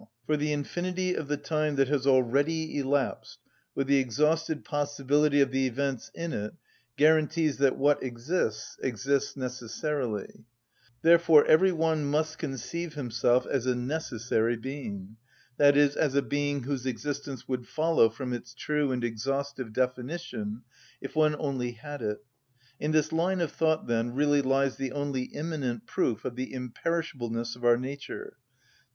_ For the infinity of the time that has already elapsed, with the exhausted possibility of the events in it, guarantees that what exists, exists necessarily. Therefore every one must conceive himself as a necessary being, i.e., as a being whose existence would follow from its true and exhaustive definition if one only had it. In this line of thought, then, really lies the only immanent proof of the imperishableness of our nature, _i.